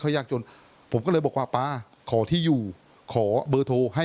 คุยกันนะครับพี่กล้านาโรงเจ้าของร้านนะฮะนอกจากนี้ครับทีมข่าวของเราตามต่อ